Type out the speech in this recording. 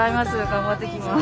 頑張ってきます。